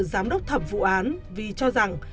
giám đốc thẩm vụ án vì cho rằng